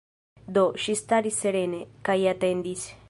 Do, ŝi staris serene, kaj atendis.